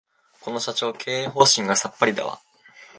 この社長、経営方針がさっぱりだわ